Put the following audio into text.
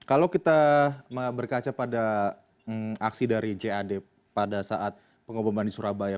kalau kita berkaca pada aksi dari jad pada saat pengoboman di surabaya